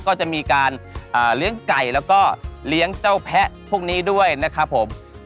ก็จะมีการเลี้ยงไก่แล้วก็เลี้ยงเจ้าแพะพวกนี้ด้วยนะครับผม